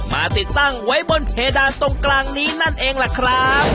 ติดตั้งไว้บนเพดานตรงกลางนี้นั่นเองล่ะครับ